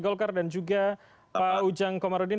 golkar dan juga pak ujang komarudin